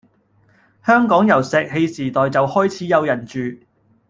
香港由石器時代就開始有人住